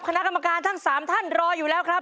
คณะกรรมการทั้ง๓ท่านรออยู่แล้วครับ